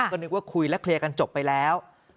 ก็นึกว่าคุยและเคลียร์กันจบไปแล้ว